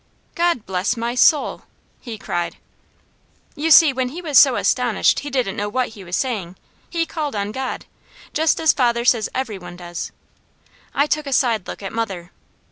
"God bless my soul!" he cried. You see when he was so astonished he didn't know what he was saying, he called on God, just as father says every one does. I took a side look at mother.